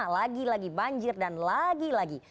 lagi lagi banjir dan lagi lagi